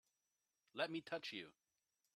Let me touch you!